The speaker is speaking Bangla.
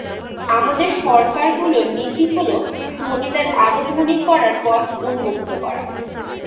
আমাদের সরকারগুলোর নীতি হলো, ধনীদের আরও ধনী করার পথ উন্মুক্ত করা।